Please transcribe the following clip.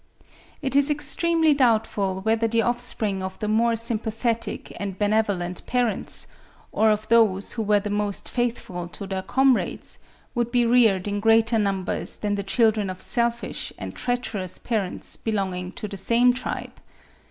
It is extremely doubtful whether the offspring of the more sympathetic and benevolent parents, or of those who were the most faithful to their comrades, would be reared in greater numbers than the children of selfish and treacherous parents belonging to the same tribe.